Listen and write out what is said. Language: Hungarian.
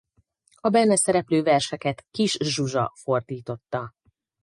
A benne szereplő verseket Kiss Zsuzsa fordította.